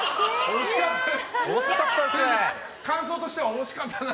惜しかったな！